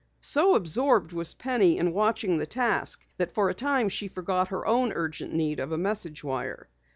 So absorbed was Penny in watching the task that for a time she forgot her own urgent need of a message wire.